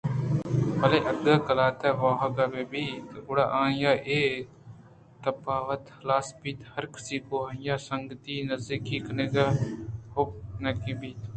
بلئے اگاں قلات ءِ واہگ بہ بیت گُڑا آ ئی ءِ اے تپاوت ہلاس بیت ءُہرکس گوں آئی ءَ سنگتی ءُنزّیکی کنگ ءَ حُبّ ناک بیت